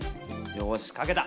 よし書けた！